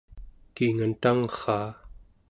kiingan tangrraa